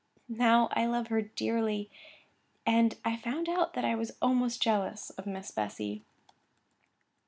Now I loved her dearly, and I found out that I was almost jealous of Miss Bessy.